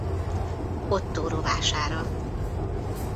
Ottó rovására.